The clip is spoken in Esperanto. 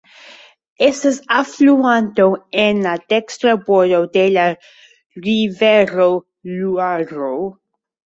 Estas alfluanto en la dekstra bordo de la rivero Luaro.